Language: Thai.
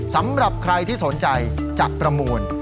สำหรับใครที่สนใจจะประมูล